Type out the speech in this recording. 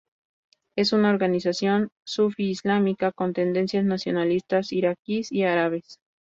Es una organización sufi islámica con tendencias nacionalistas iraquíes y árabes.